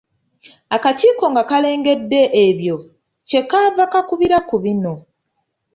Akakiiko nga kalengedde ebyo kye kaava kakubira ku bino: